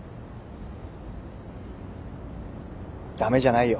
駄目じゃないよ。